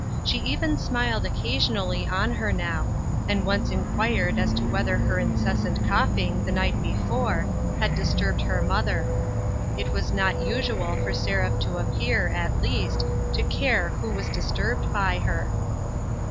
She even smiled occasionally on her now, and once inquired as to whether her incessant coughing, the night before, had disturbed her mother. It was not usual for Seraph to appear, at least, to care who was dis turbed by her.